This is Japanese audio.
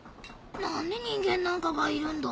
何で人間なんかがいるんだ？